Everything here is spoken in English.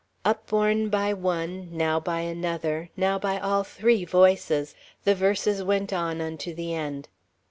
Upborne by one, now by another, now by all three voices, the verses went on unto the end.